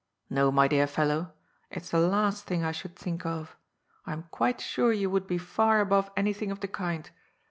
^^ No, my dear fellow ; it's the last thing I should think of. I am quite sure you would be far above anjrthing of the kind.